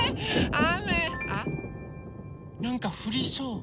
あっなんかふりそう。